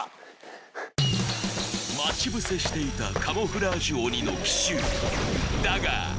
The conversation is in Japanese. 待ち伏せしていたカモフラージュ鬼の奇襲だが！